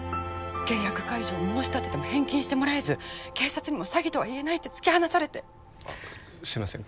契約解除を申し立てても返金してもらえず警察にも詐欺とは言えないって突き放されてすいません